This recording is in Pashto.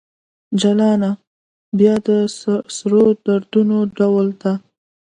جلانه ! بیا د سرو دردونو ډول ته